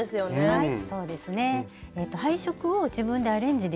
はい。